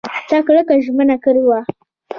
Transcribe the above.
تا کلکه ژمنه کړې وه !